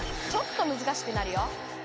ちょっとむずかしくなるよ。